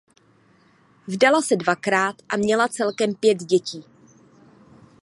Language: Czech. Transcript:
Vdala se dvakrát a měla celkem pět dětí.